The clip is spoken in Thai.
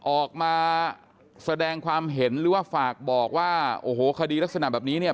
ออกมาแสดงความเห็นหรือว่าฝากบอกว่าโอ้โหคดีลักษณะแบบนี้เนี่ย